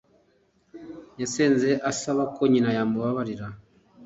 Yasenze asaba ko nyina yamubabarira